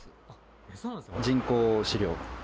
人工飼料。